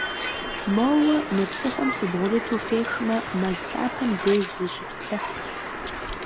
Моуэ мы псыхъуэм фыбгъурыту фехмэ, мэз лъапэм деж зыщыфплъыхь.